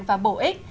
và bổ ích